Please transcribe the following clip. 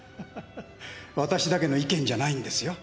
私だけの意見じゃないんですよ。